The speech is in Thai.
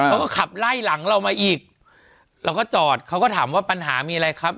เขาก็ขับไล่หลังเรามาอีกเราก็จอดเขาก็ถามว่าปัญหามีอะไรครับ